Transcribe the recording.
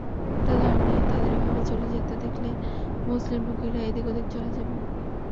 তার ধারণা, তাদের এভাবে চলে যেতে দেখলে মুসলিম রক্ষীরা এদিক-ওদিক চলে যাবে।